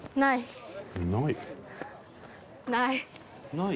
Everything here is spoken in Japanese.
「ない？」